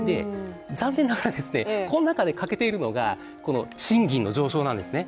残念ながら、この中で欠けているのが賃金の上昇なんですね。